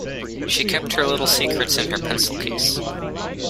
She kept her little secrets in her pencil case.